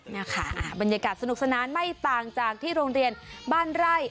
นะคะบรรยากาศสนุกสนานไม่ต่างจากที่โรงเรียนบ้านไร่